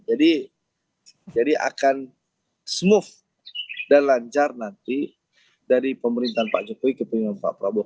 jadi akan smooth dan lancar nanti dari pemerintahan pak jokowi ke pemerintahan pak prabowo